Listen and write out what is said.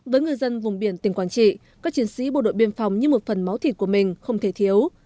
với người dân vùng biển tỉnh quảng trị các chiến sĩ bộ đội biên phòng như một phần máu thịt của mình không thể thiếu